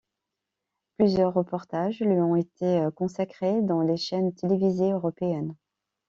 Plusieurs reportages lui ont été consacrés dans les chaînes télévisées européennes.